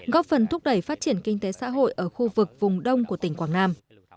góp phần thúc đẩy phát triển kinh tế xã hội ở khu vực vùng đông của tỉnh quảng nam